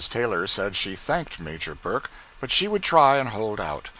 Taylor said she thanked Major Burke, but she would try and hold out.